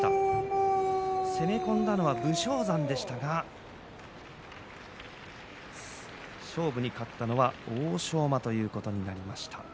攻め込んだのは武将山でしたが勝負に勝ったのは欧勝馬でした。